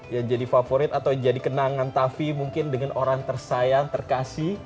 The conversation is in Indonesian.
ya jadi favorit atau jadi kenangan tavi mungkin dengan orang tersayang terkasih